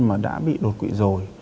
mà đã bị đột quỵ rồi